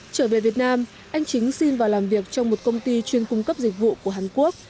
trở về việt nam anh chính xin vào làm việc trong một công ty chuyên cung cấp dịch vụ của hàn quốc